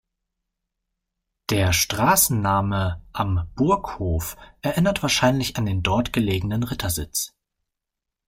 Der Straßenname "Am Burghof" erinnert wahrscheinlich an den dort gelegenen Rittersitz.